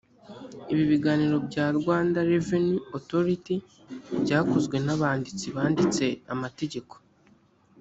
ibi biganiro bya rwanda revenue authority byakozwe n abanditsi banditse amategeko